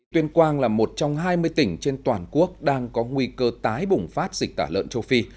tuyên quang là một trong hai mươi tỉnh trên toàn quốc đang có nguy cơ tái bùng phát dịch tả lợn châu phi